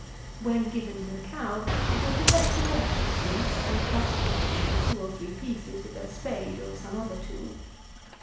When given to the cow, it will be best to wash the Swedes and cut each into two or three pieces with a spade or some other tool.